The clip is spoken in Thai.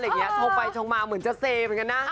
ชงไปชงมาเหมือนจะเซม